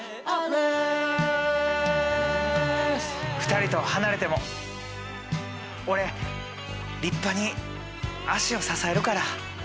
２人と離れても俺立派に足を支えるから。